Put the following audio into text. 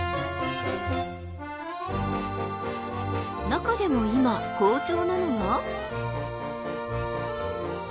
中でも今好調なのが。